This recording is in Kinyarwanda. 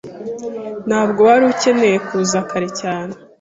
Ntabwo wari ukeneye kuza kare cyane.